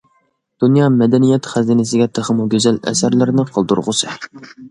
دۇنيا مەدەنىيەت خەزىنىسىگە تېخىمۇ گۈزەل ئەسەرلەرنى قالدۇرغۇسى!